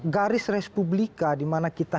garis res publika di mana kita